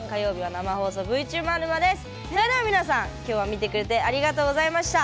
それでは皆さん今日は見てくれてありがとうございました。